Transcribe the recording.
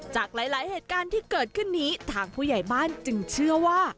จากหลายเหตุการณ์ที่เกิดขึ้นนี้ทางผู้ใหญ่บ้านจึงเชื่อว่า